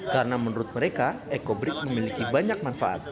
karena menurut mereka ekobrik memiliki banyak manfaat